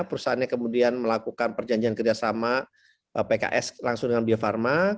perusahaannya kemudian melakukan perjanjian kerjasama pks langsung dengan bio farma